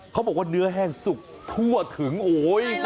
เขาบอกว่าเนื้อแห้งสุกทั่วถึงโอ้ยคุณสั่นค่ะ